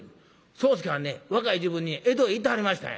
宗助はんね若い時分に江戸へ行ってはりましたんや」。